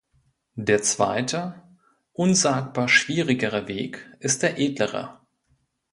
Der zweite, unsagbar schwierigere Weg, ist der edlere.